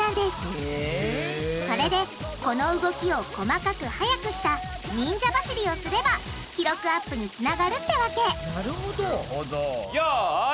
それでこの動きを細かく速くした忍者走りをすれば記録アップにつながるってわけなるほど。